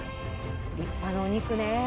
立派なお肉ね。